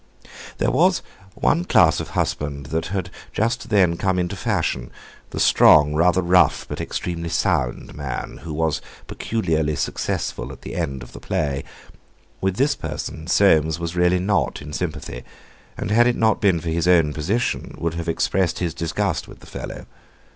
There was one class of husband that had just then come into fashion, the strong, rather rough, but extremely sound man, who was peculiarly successful at the end of the play; with this person Soames was really not in sympathy, and had it not been for his own position, would have expressed his disgust with the fellow.